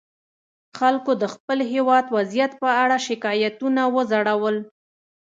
خلکو د خپل هېواد وضعیت په اړه شکایتونه وځړول.